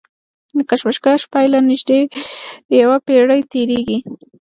د کشمش پیله نژدې یوه پېړۍ تېرېږي.